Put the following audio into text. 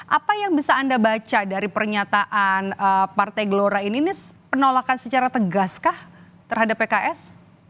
apa yang bisa anda baca dari pernyataan partai gelora ini penolakan secara tegaskah terhadap pks